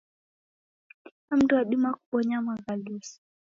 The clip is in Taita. Kila mndu wadima kubonya maghaluso.